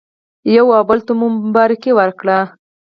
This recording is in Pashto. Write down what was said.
یو او بل ته مو مبارکي ورکړه.